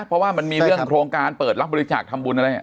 เพราะว่ามันมีเรื่องโครงการเปิดรับบริจาคทำบุญอะไร